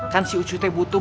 kan si ucuy tuh butuh